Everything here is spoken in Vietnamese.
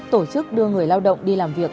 tổ chức đưa người lao động đi làm việc